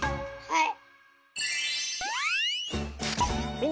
はい！